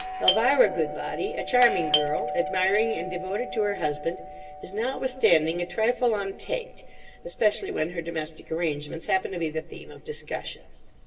Elvira Goodbody, a charming girl, admiring and devoted to her husband, is notwithstanding a trifle en tête, especially when her domestic arrangements happen to be the theme of discussion.